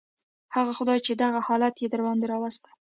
همغه خداى چې دغه حالت يې درباندې راوستى.